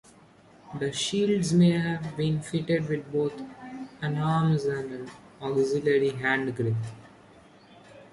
The shields may have been fitted with both enarmes and an auxiliary hand grip.